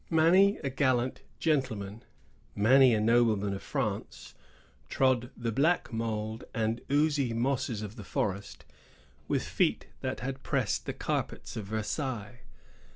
Many a gallant gentleman, many a nobleman of France, trod the black mould and oozy mosses of the forest with feet that had pressed the carpets of Versailles.